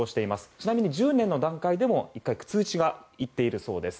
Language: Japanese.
ちなみに１０年の段階でも１回通知が行っているそうです。